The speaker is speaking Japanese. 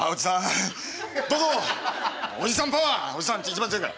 おじさんパワーおじさん一番強いから。